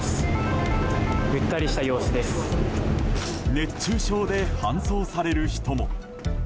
熱中症で搬送される人も。